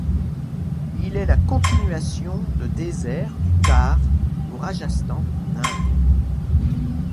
Il est la continuation de désert du Thar au Rajasthan en Inde.